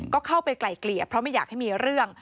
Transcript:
ก็เข้าไปไกลเกลี่ยเพราะไม่อยากให้มีเรื่อง